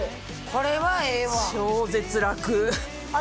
これはええわ。